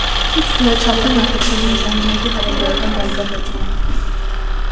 Դրա չափերն արտացոլում են ժամանակի հարաբերական բարգավաճումը։